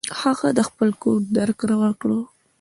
هغه د خپل کور درک راکړ.